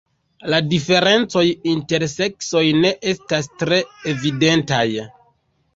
La diferencoj inter seksoj ne estas tre evidentaj.